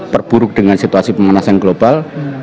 perburuk dengan situasi pemanasan global